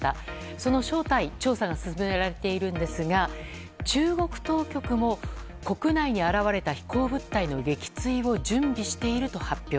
その正体調査が進められているんですが中国当局も国内に現れた飛行物体の撃墜を準備していると発表。